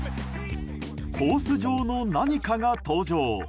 ホース状の何かが登場。